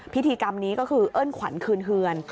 พิธีกรรมนี้ก็คือเอิ้นขวัญคืนเฮือน